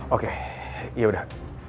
oke ya udah